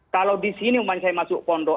kalau di sini umum saya masuk pondok